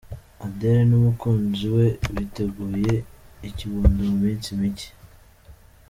Adele n'umukunzi we biteguye ikibondo mu minsi mike.